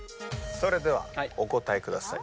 ではお答えください。